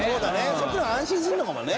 そっちの方が安心するのかもね。